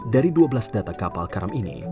dari dua belas data kapal karam ini